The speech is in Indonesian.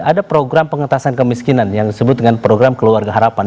ada program pengetasan kemiskinan yang disebut dengan program keluarga harapan